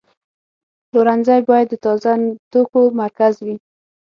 پلورنځی باید د تازه توکو مرکز وي.